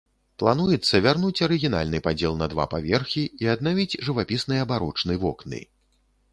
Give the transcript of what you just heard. Плануецца вярнуць арыгінальны падзел на два паверхі і аднавіць жывапісныя барочны вокны.